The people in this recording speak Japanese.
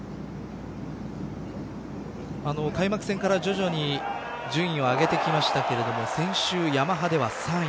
開幕戦から徐々に順位を上げてきましたけれども先週ヤマハでは３位。